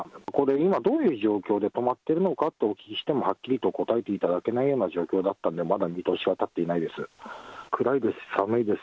今どういう状況で止まってるのかとお聞きしても、はっきりとお答えしていただけないような状況だったんで、まだ見通しは立ってないです。